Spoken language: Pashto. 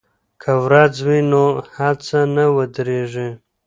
که ورځ وي نو هڅه نه ودریږي.